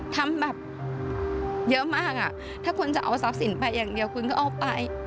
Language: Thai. ทำแบบเยอะมากถ้าคุณจะเอาทรัพย์สินไปอย่างเดียวคุณก็เอาไป